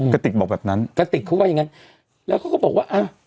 กระติกบอกแบบนั้นกระติกเขาว่าอย่างงั้นแล้วเขาก็บอกว่าอ่ะ